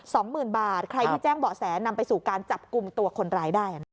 สองหมื่นบาทใครที่แจ้งเบาะแสนำไปสู่การจับกลุ่มตัวคนร้ายได้อ่ะนะคะ